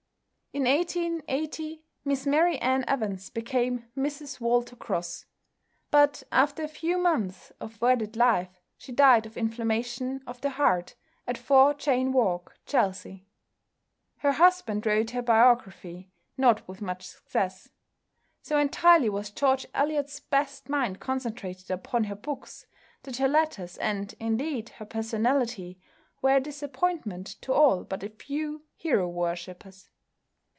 In 1880 Miss Mary Ann Evans became Mrs Walter Cross, but after a few months of wedded life she died of inflammation of the heart at 4 Cheyne Walk, Chelsea. Her husband wrote her biography, not with much success. So entirely was George Eliot's best mind concentrated upon her books that her letters, and indeed her personality, were a disappointment to all but a few hero worshippers.